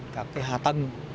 các cái hạ tầng